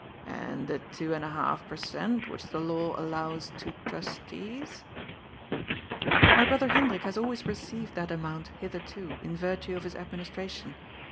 ^' And the two and a half per cent which the law allows to trustees ?"^ My brother Hendrik has always received that amount hitherto, in virtue of his administration.